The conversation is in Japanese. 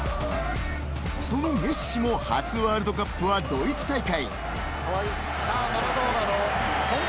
そのメッシも初ワールドカップはドイツ大会。